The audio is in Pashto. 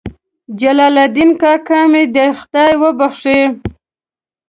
جلال الدین کاکا مې دې خدای وبخښي.